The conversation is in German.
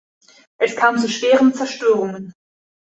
Es kam zu schweren Zerstörungen.